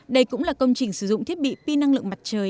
đây cũng là công trình sử dụng thiết bị pin năng lượng mặt trời